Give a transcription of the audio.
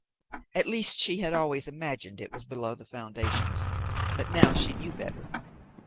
At least she had always imagined it was below the foundations, but now she knew better.